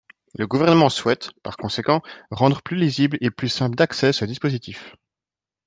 Le Gouvernement souhaite, par conséquent, rendre plus lisible et plus simple d’accès ce dispositif.